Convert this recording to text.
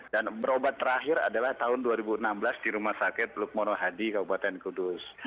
dan berobat terakhir adalah tahun dua ribu enam belas di rumah sakit lukmono hadi kabupaten kudus